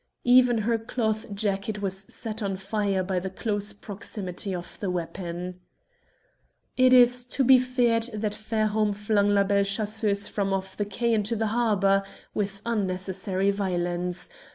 Even her cloth jacket was set on fire by the close proximity of the weapon. It is to be feared that Fairholme flung La Belle Chasseuse from off the quay into the harbour with unnecessary violence.